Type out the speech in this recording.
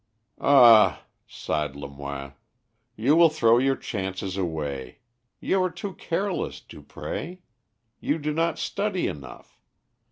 "Ah!" sighed Lemoine, "you will throw your chances away. You are too careless, Dupré; you do not study enough.